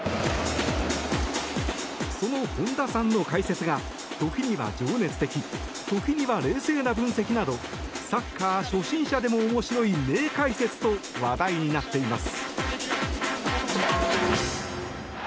その本田さんの解説が時には情熱的時には冷静な分析などサッカー初心者でも面白い名解説と話題になっています。